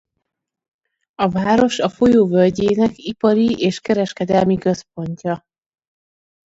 A város a folyó völgyének ipari és kereskedelmi központja.